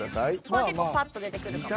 これ結構パッと出てくるかも。